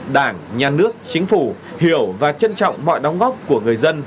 đảng nhà nước chính phủ hiểu và trân trọng mọi đóng góp của người dân